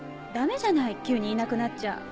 ダメじゃない急にいなくなっちゃ。